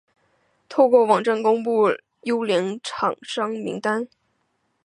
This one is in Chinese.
透过网站公布优良厂商名单